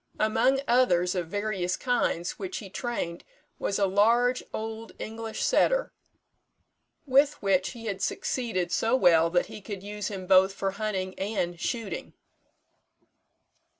Among others of various kinds which he trained was a large old English setter, with which he had succeeded so well that he could use him both for hunting and shooting.